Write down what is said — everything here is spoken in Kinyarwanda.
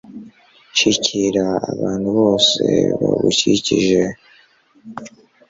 shikira abantu bose bagukikije